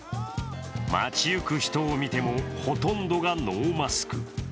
街ゆく人を見ても、ほとんどがノーマスク。